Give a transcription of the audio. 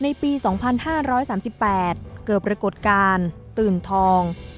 ภาษาภาพธรรมในปี๒๔๓๘เกิดปรากฏการณ์ตื่นทอง